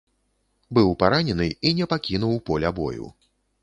Быў паранены і не пакінуў поля бою.